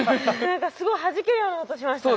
すごいはじけるような音しましたね。